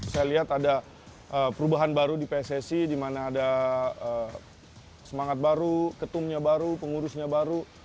saya lihat ada perubahan baru di pssi di mana ada semangat baru ketumnya baru pengurusnya baru